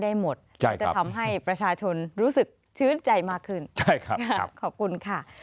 ได้หมดจะทำให้ประชาชนรู้สึกชื้นใจมากขึ้นขอบคุณค่ะ